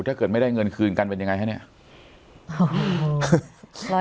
ถ้าเกิดไม่ได้เงินคืนกันเป็นยังไงคะเนี่ย